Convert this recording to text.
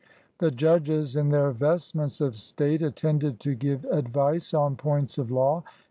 The judges in their vestments of state attended to give advice on points of law.